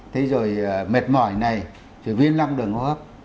thế rồi mệt mỏi này rồi viêm long đường hô hấp